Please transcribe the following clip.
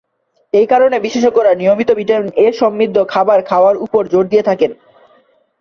এ কারণে বিশেষজ্ঞরা নিয়মিত ভিটামিন এ সমৃদ্ধ খাবার খাওয়ার ওপর জোর দিয়ে থাকেন।